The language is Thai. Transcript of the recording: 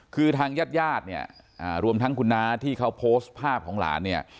คือทางญาติญาติเนี่ยรวมทั้งคุณน้าที่เขาโพสต์ภาพของหลานเนี่ย